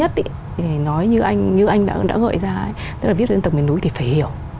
tức là viết lên tầng miền núi thì phải hiểu